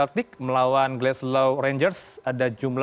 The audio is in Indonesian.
ketika ribuan orang menangis di kota